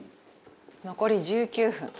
残り１９分。